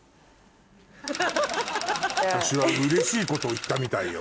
私はうれしいことを言ったみたいよ。